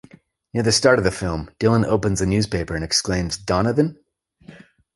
Near the start of the film, Dylan opens a newspaper and exclaims, Donovan?